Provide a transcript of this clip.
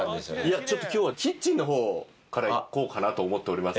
いやちょっと今日はキッチンの方からいこうかなと思っております。